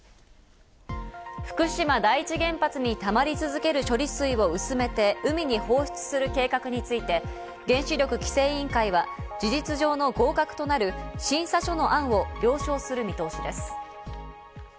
福島第一原発にたまり続ける処理水を薄めて海に放出する計画について、原子力規制委員会は事実上の合格となる審査書の案を了承する見通しです。